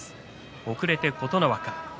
遅れて琴ノ若。